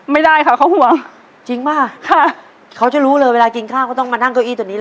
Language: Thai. ไม่ได้ค่ะเขาห่วงจริงป่ะค่ะเขาจะรู้เลยเวลากินข้าวก็ต้องมานั่งเก้าอี้ตัวนี้เลย